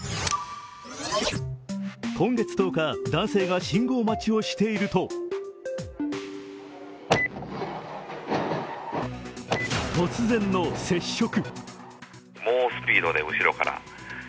今月１０日、男性が信号待ちをしていると突然の接触。